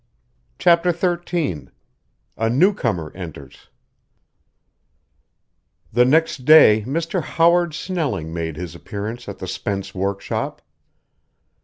CHAPTER XIII A NEWCOMER ENTERS The next day Mr. Howard Snelling made his appearance at the Spence workshop.